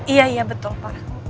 iya betul pak